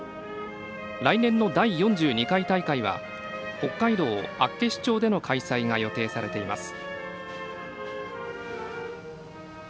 来年の第４２回大会は北海道厚岸町での開催が予定されています。